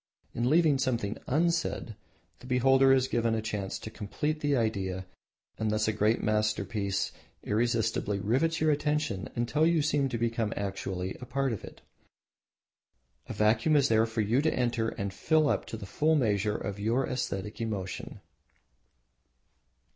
In leaving something unsaid the beholder is given a chance to complete the idea and thus a great masterpiece irresistibly rivets your attention until you seem to become actually a part of it. A vacuum is there for you to enter and fill up the full measure of your aesthetic emotion.